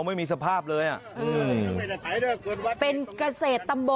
บึลด้วยละ